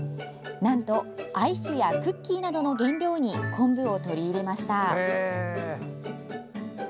なんと、アイスやクッキーなどの原料に昆布を取り入れました。